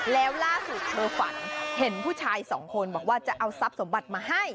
แล้วล่าสุดเธอฝันเห็นผู้ชายสองคนบอกว่าจะเอาทรัพย์สมบัติมาให้